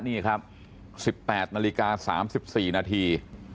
นี่ครับ๑๘นาฬิกา๓๔นาที